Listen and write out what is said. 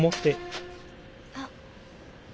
あっ。